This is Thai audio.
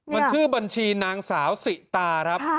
มันชื่อบัญชีนางสาวสิตาครับ